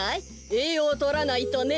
えいようをとらないとね。